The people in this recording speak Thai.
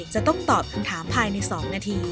จะต้องตอบคำถามภายใน๒นาที